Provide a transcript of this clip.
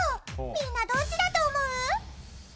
みんな、どっちだと思う？